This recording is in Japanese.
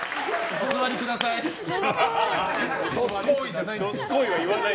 お座りください。